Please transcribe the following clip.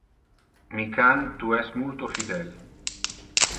Mi can, tu es multo fidel.